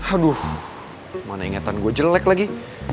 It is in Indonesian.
aduh mana ingetan gue jelek lagi